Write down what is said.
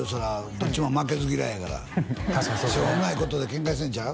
どっちも負けず嫌いやからしょうもないことでケンカしてんちゃう？